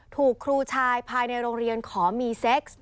ถูกครูชายภายในโรงเรียนขอมีเซ็กซ์